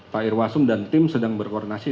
pak irwasum dan tim sedang berkoordinasi